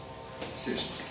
失礼します。